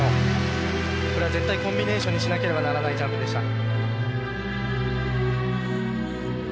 これは絶対コンビネーションにしなければならないジャンプでした。